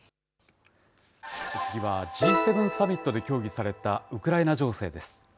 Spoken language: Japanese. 次はＧ７サミットで協議された、ウクライナ情勢です。